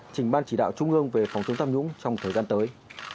trình ban chỉ đạo trung ương về phòng chống tham nhũng trong thời gian tới